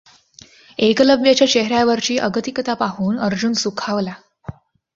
एकलव्याच्या चेहऱ्यावरची अगतिकता पाहून अर्जुन सुखावला.